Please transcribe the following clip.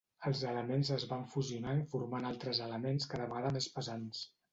Els elements es van fusionant formant altres elements cada vegada més pesants.